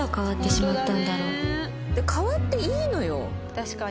確かに。